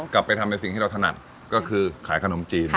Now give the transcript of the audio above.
กลับไปทำในสิ่งที่เราถนัดก็คือขายขนมจีน